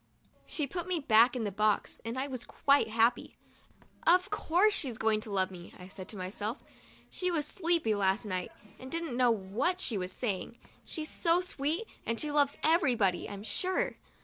She put me back in the box and I was quite happy. 'Of course she's going to love me," I said to myself, 'she was sleepy last night and didn't know what she was saying. She's so sweet that she loves everybody, I'm sure."